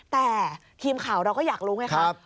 แต่ทีมข่าวเราก็อยากรู้ไงครับ